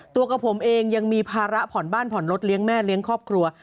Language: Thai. กับผมเองยังมีภาระผ่อนบ้านผ่อนรถเลี้ยงแม่เลี้ยงครอบครัว